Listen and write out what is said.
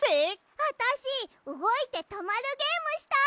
あたしうごいてとまるゲームしたい。